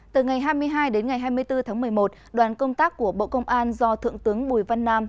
từ ngày hai mươi hai đến ngày hai mươi bốn tháng một mươi một đoàn công tác của bộ công an do thượng tướng bùi văn nam